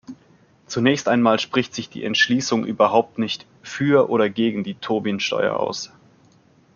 Zunächst einmal spricht sich die Entschließung überhaupt nicht für oder gegen die Tobin-Steuer aus.